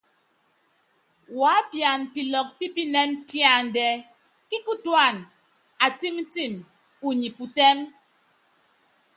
Wuápiana pilɔkɔ pípinɛm píándɛ, kíkutúana: Atɛ́mtɛm, unyi putɛ́m.